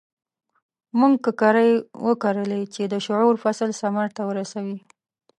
موږ ککرې وکرلې چې د شعور فصل ثمر ته ورسوي.